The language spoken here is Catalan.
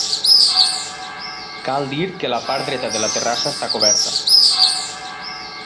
Cal dir que la part dreta de la terrassa està coberta.